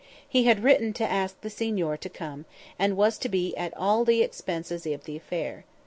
He had written to ask the signor to come, and was to be at all the expenses of the affair.